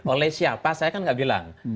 oleh siapa saya kan nggak bilang